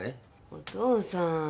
お父さん。